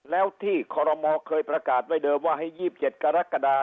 แล้วที่คเอ๋มเขอยประกาศไว้เดิมว่าให้ยียิบเจ็ดกระระกะดา